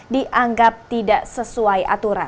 dianggap tidak sesuai aturan